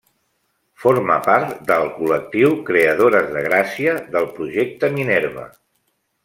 Forma part del col·lectiu Creadores de Gràcia del Projecte Minerva.